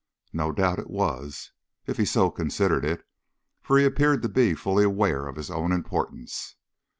No doubt it was, if he so considered it, for he appeared to be fully aware of his own importance.